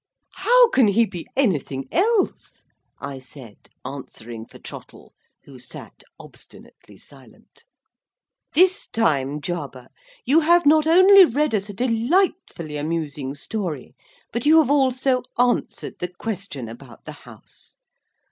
"How can he be anything else?" I said, answering for Trottle, who sat obstinately silent. "This time, Jarber, you have not only read us a delightfully amusing story, but you have also answered the question about the House.